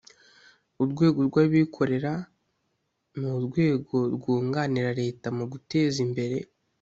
Urwego rw abikorera ni urwego rwunganira Leta mu guteza imbere